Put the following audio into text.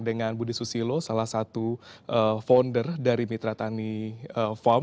dengan budi susilo salah satu founder dari mitra tani farm